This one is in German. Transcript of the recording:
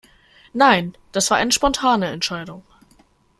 Nein, das war eine spontane Entscheidung.